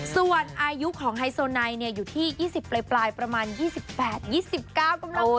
ส่วนอายุของไฮโซไนอยู่ที่๒๐ปลายประมาณ๒๘๒๙กำลัง